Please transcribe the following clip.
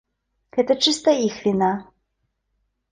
Гэта чыста іх віна.